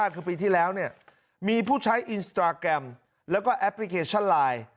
คือปีที่แล้วมีผู้ใช้อินสตราแกรมแล้วก็แอปพลิเคชันไลน์